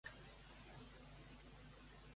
Amb qui té enemistat Agravain?